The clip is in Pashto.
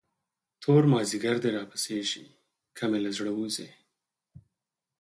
تور مازدیګر دې راپسې شي، که مې له زړه وځې.